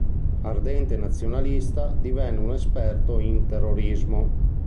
Ardente nazionalista, divenne un esperto in terrorismo.